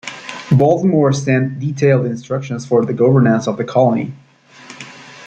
Baltimore sent detailed instructions for the governance of the colony.